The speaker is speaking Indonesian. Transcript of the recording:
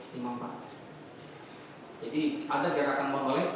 jadi ada gerakan menoleh